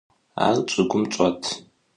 Ar ççıgım çç'et.